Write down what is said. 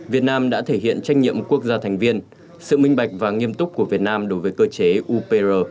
việt nam đã thể hiện trách nhiệm quốc gia thành viên sự minh bạch và nghiêm túc của việt nam đối với cơ chế upr